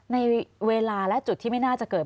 ในเวลาและจุดที่ไม่น่าจะเกิด